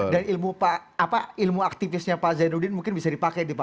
dan ilmu aktivisnya pak zainuddin mungkin bisa dipakai